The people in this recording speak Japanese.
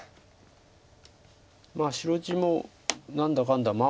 まあ白地も何だかんだ。